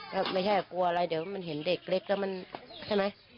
ก็ไม่ใช่กลัวอะไรเดี๋ยวมันเห็นเด็กเล็กแล้วมันใช่ไหม